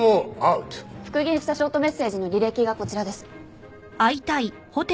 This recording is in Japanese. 復元したショートメッセージの履歴がこちらです。